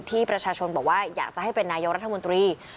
ที่ประชาชนบอกว่าอยากจะให้เป็นนายกรัฐมนตรี